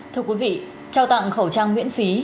thưa quý vị trao tặng khẩu trang nguyễn phí